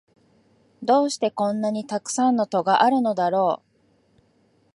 どうしてこんなにたくさん戸があるのだろう